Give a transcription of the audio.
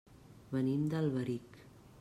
Venim d'Alberic.